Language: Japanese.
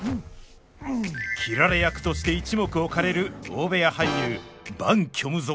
斬られ役として一目置かれる大部屋俳優伴虚無